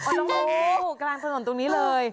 อ๋อต้องรู้กลางถนนตรงนี้เลย